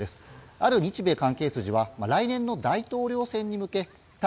ある日米関係筋は来年の大統領選に向け対